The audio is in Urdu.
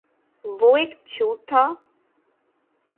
وہ ایک جھوٹ تھا